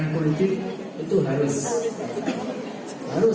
presiden sisipkan politik itu harus